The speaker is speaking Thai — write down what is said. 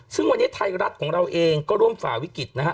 ซึ่งวันนี้ไทยรัฐของเราเองก็ร่วมฝ่าวิกฤตนะฮะ